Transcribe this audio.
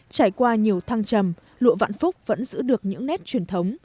trải qua nhiều thăng trầm lụa vạn phúc vẫn giữ được những nét truyền thống